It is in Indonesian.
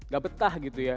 gak betah gitu ya